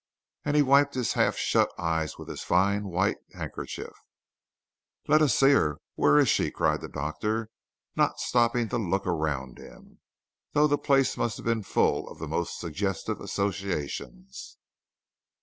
And he wiped his half shut eyes with his fine white handkerchief. "Let me see her; where is she?" cried the Doctor, not stopping to look around him, though the place must have been full of the most suggestive associations.